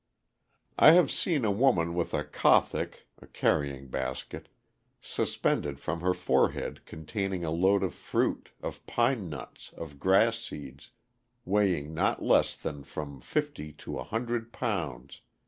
I have seen a woman with a kathak (carrying basket) suspended from her forehead containing a load of fruit, of pine nuts, of grass seeds, weighing not less than from 50 to 100 lbs.